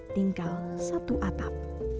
tinggal satu atap